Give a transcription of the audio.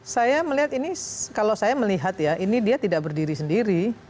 saya melihat ini kalau saya melihat ya ini dia tidak berdiri sendiri